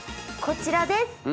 こちらです。